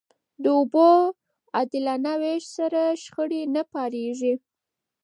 د اوبو عادلانه وېش سره، شخړې نه پارېږي.